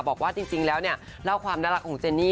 บอกว่าจริงแล้วเนี่ยเล่าความน่ารักของเจนนี่